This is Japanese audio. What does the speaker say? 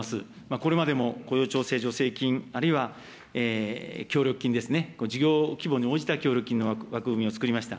これまでも、雇用調整助成金、あるいは協力金ですね、事業規模に応じた協力金の枠組みを作りました。